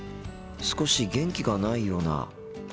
少し元気がないような。